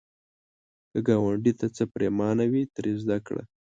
که ګاونډي ته څه پرېمانه وي، ترې زده کړه